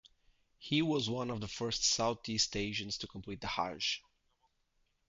He was one of the first Southeast Asians to complete the hajj.